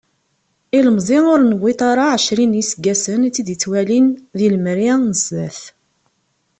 Ilemẓi ur niwiḍ ara ɛecrin n yiseggasen i tt-id-yettwalin di lemri n sdat.